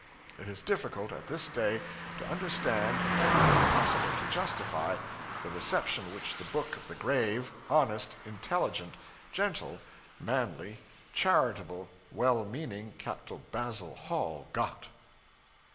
It is difficult, at this day, to understand, and impossible to justify, the reception which the book of the grave, honest, intelligent, gentle, manly, charitable, well meaning Capt. Basil Hall got.